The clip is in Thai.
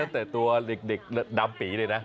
แต่ตัวเด็กดำปีด้วยนะ